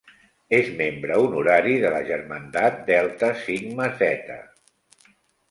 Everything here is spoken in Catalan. És membre honorari de la germandat Delta Sigma Theta.